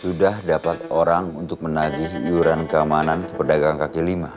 sudah dapat orang untuk menagih iuran keamanan ke pedagang kaki lima